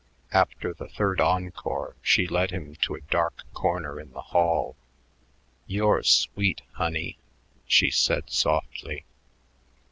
After the third encore she led him to a dark corner in the hall. "You're sweet, honey," she said softly.